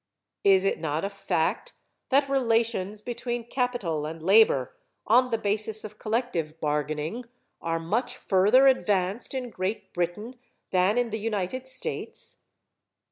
Is it not a fact that relations between capital and labor on the basis of collective bargaining are much further advanced in Great Britain than in the United States?